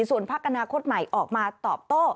ส่วนพักอนาคตใหม่ออกมาตอบโต้